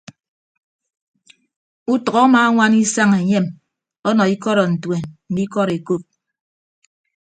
Utʌk amaañwana isañ enyem ọnọ ikọdọntuen mme ikọd ekop.